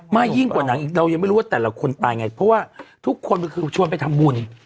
มากยิ่งกว่าหนังอีกเรายังไม่รู้ว่าแต่ละคนตายไงเพราะว่าทุกคนคือชวนไปทำบุญ